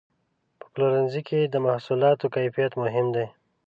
په پلورنځي کې د محصولاتو کیفیت مهم دی.